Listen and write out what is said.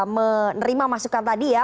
menerima masukan tadi ya